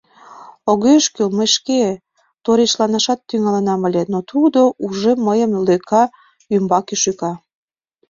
— Огеш кӱл, мый шке, — торешланашат тӱҥалынам ыле, но тудо уже мыйым лӧка ӱмбаке шӱка.